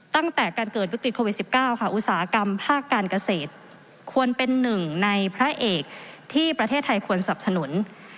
ตั้งแต่การเกิดวิกฤตโควิด๑๙ค่ะอุตสาหกรรมภาคการเกษตรควรเป็นหนึ่งในพระเอกที่ประเทศไทยควรสับสนุน